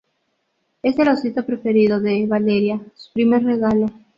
es el osito preferido de Valeria. su primer regalo.